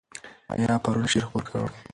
حیا پرون شعر خپور کړ.